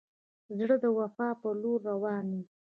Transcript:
زړه د وفا پر لور روان وي.